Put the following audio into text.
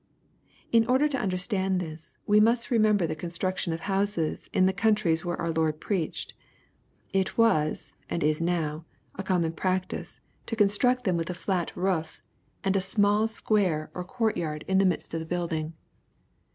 '] In order to understand this we must remember the construction of houses in the countries where our Lord preached. It was, and is now, a common prac tice to construct them with a flat roof, and a small square or court 7 M 146 KXPOSITOBY THOUGHTS. jaxd in the midst of the building.